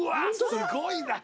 すごいな！